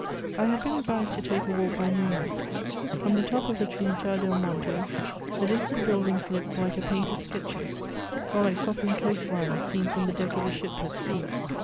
I had been advised to take a walk by moonlight: from the top of the Trinità del Monte, the distant buildings looked like a painter's sketches or like softened coast lines seen from the deck of a ship at sea.